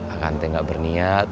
akante gak berniat